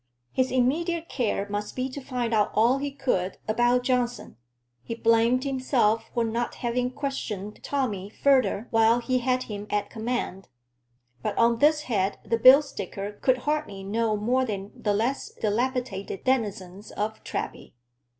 His immediate care must be to find out all he could about Johnson. He blamed himself for not having questioned Tommy further while he had him at command; but on this head the bill sticker could hardly know more than the less dilapidated denizens of Treby.